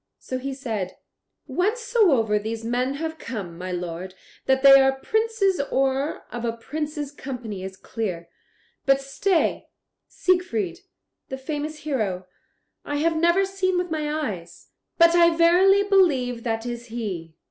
So he said: "Whencesoever these men have come, my lord, that they are princes or of a prince's company is clear. But stay; Siegfried, the famous hero, I have never seen with my eyes, but I verily believe that is he.